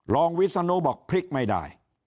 วิศนุบอกพลิกไม่ได้